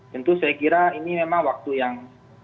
tentu saya kira ini memang waktu yang